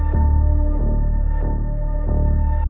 karena mengunjung iklim